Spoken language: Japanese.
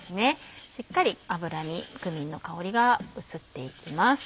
しっかり油にクミンの香りが移っていきます。